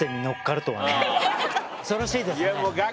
恐ろしいですね。